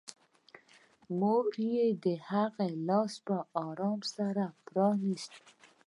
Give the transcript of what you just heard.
مور یې د هغه لاس په ارامۍ سره پرانيست